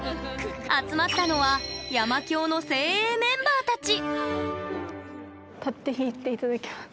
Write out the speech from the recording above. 集まったのは山響の精鋭メンバーたち。